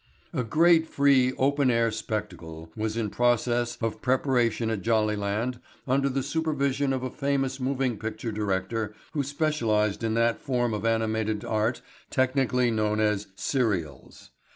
A great free open air spectacle was in process of preparation at Jollyland under the supervision of a famous moving picture director who specialized in that form of animated art technically known as "serials."